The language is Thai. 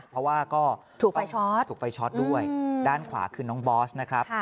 เพราะว่าก็ถูกไฟชอตด้วยด้านขวาคือน้องบอสนะครับ